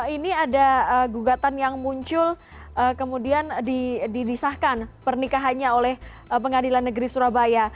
ini ada gugatan yang muncul kemudian didisahkan pernikahannya oleh pengadilan negeri surabaya